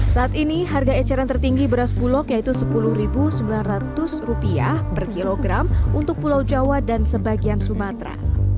saat ini harga eceran tertinggi beras bulog yaitu rp sepuluh sembilan ratus per kilogram untuk pulau jawa dan sebagian sumatera